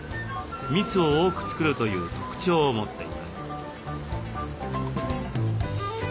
蜜を多く作るという特徴を持っています。